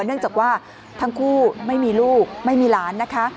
เนื่องจากว่าทั้งคู่ไม่มีลูกไม่มีหลานนะคะ